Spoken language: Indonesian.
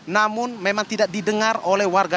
namun memang tidak didengar oleh warga